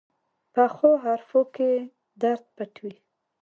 پخو حرفو کې درد پټ وي